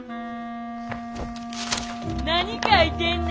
何書いてんねん？